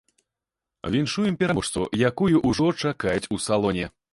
Віншуем пераможцу, якую ўжо чакаюць у салоне.